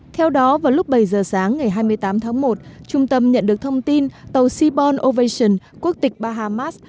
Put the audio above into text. theo đó vào lúc bảy giờ sáng ngày hai mươi tám tháng một trung tâm nhận được thông tin tàu seaborn ovation quốc tịch bahamas